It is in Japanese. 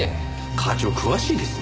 課長詳しいですね。